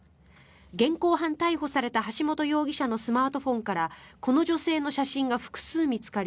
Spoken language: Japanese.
現行犯逮捕された橋本容疑者のスマートフォンからこの女性の写真が複数見つかり